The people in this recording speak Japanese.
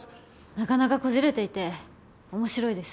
なかなかこじれていて面白いです。